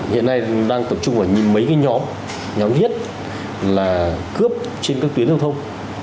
hiện nay đang tập trung vào mấy cái nhóm nhóm nhất là cướp trên các tuyến giao thông